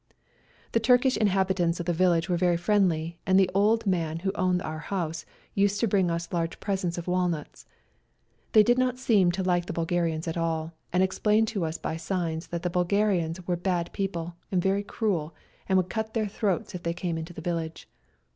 The Turkish inhabitants of the village were very friendly, and the old man who owned our house used to bring us large presents of walnuts. They did not seem to like the Bulgarians at all, and explained to us by signs that the Bulgarians were 118 GOOD BYE TO SERBIA bad people and very cruel and would cut their throats if they came into the village.